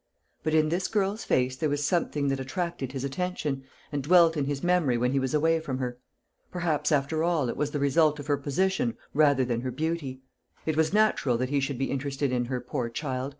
But in this girl's face there was something that attracted his attention, and dwelt in his memory when he was away from her; perhaps, after all, it was the result of her position rather than her beauty. It was natural that he should be interested in her, poor child.